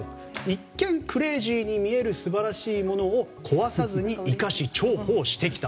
一見クレイジーに見える素晴らしいものを壊さずに生かし、重宝してきた。